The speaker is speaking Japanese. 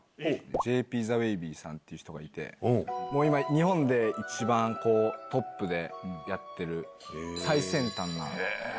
ＪＰ・ザ・ウェイビーさんっていう人がいて、もう今、日本で一番トップでやってる、最先端な。